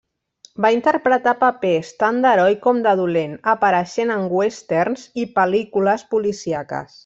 Va interpretar papers tant d'heroi com de dolent, apareixent en westerns i pel·lícules policíaques.